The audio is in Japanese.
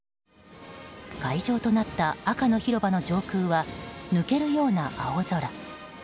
会場となった赤の広場の上空は抜けるような青空。